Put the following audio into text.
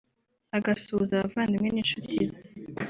agasuhuza abavandimwe n’inshuti ze